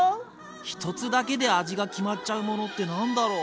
１つだけで味が決まっちゃうものって何だろう？